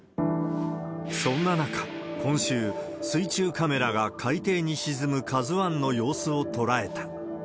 そんな中、今週、水中カメラが海底に沈むＫＡＺＵＩの様子を捉えた。